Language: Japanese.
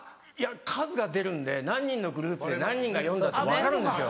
数が出るんで何人のグループで何人が読んだって分かるんですよ。